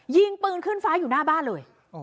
ยิงปืนขึ้นฟ้าอยู่หน้าบ้านเลย